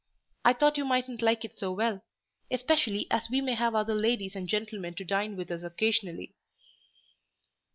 I thought you mightn't like it so well—especially as we may have other ladies and gentlemen to dine with us occasionally."